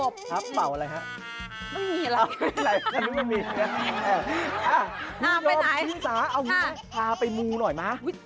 บ่กรอด